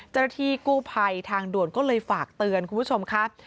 เจ้าหน้าที่กู้ภัยทางด่วนก็เลยฝากเตือนคุณผู้ชมครับ